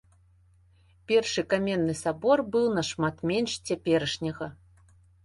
Першы каменны сабор быў нашмат менш цяперашняга.